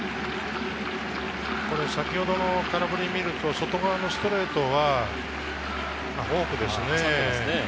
先ほどの空振りを見ると、外側のストレートはフォークですよね。